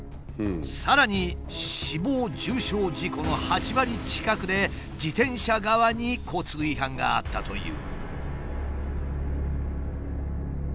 さらに死亡重傷事故の８割近くで自転車側に交通違反があったという。